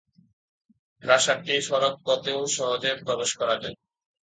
প্রাসাদটি সড়ক পথেও সহজে প্রবেশ করা যায়।